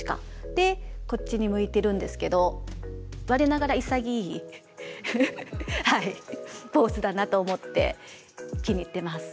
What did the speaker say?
でこっちに向いてるんですけど我ながら潔いポーズだなと思って気に入ってます。